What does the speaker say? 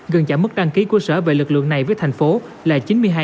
gần giảm mức đăng ký của sở về lực lượng này với thành phố là chín mươi hai